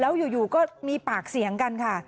แล้วอยู่ก็มีปากเสียงกันค่ะ